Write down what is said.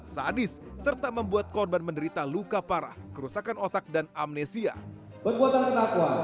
sadis serta membuat korban menderita luka parah kerusakan otak dan amnesia